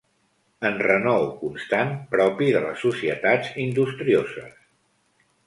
Enrenou constant propi de les societats industrioses.